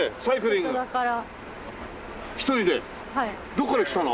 どこから来たの？